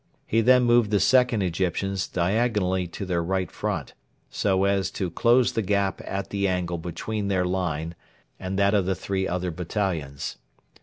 He then moved the 2nd Egyptians diagonally to their right front, so as to close the gap at the angle between their line and that of the three other battalions.